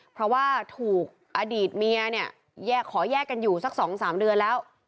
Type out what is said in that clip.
เพราะว่าถูกอดีตเมียเนี่ยขอแยกกันอยู่สัก๒๓เดือนแล้ว